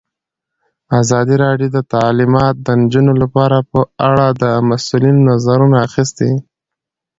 ازادي راډیو د تعلیمات د نجونو لپاره په اړه د مسؤلینو نظرونه اخیستي.